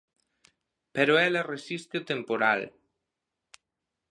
Pero ela resiste o temporal.